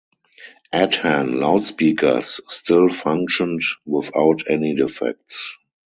Adhan loudspeakers still functioned without any defects.